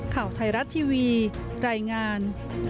ข่าวไทยรัฐทีวีรายงาน